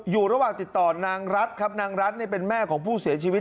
อยู่ระหว่างติดต่อนางรัฐครับนางรัฐเป็นแม่ของผู้เสียชีวิต